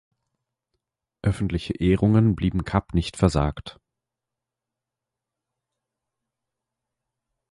Öffentliche Ehrungen blieben Kapp nicht versagt.